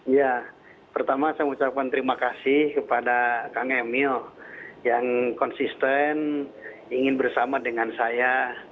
ya pertama saya mengucapkan terima kasih kepada kang emil yang konsisten ingin bersama dengan saya